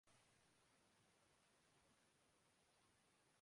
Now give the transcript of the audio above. فوری رد عمل ظاہر کرتا ہوں